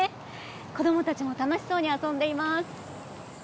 子供たちも楽しそうに遊んでいます。